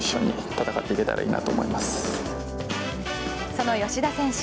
その吉田選手